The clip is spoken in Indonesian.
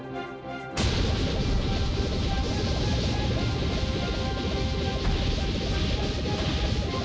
dendam di hatimu